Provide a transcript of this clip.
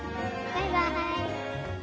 バイバーイ。